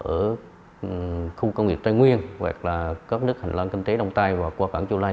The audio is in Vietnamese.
ở khu công nghiệp tây nguyên hoặc là các nước hành lân kinh tế đông tây qua cảng chu lai